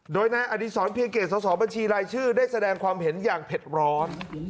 โดยนายอดีศรเพียงเกตสอบบัญชีรายชื่อได้แสดงความเห็นอย่างเผ็ดร้อน